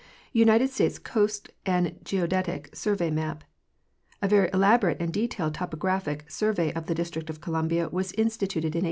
United States Coast and Geodetic Survey Map.—A very elaborate and detailed topographic survey of the District of Columbia was instituted in 1881.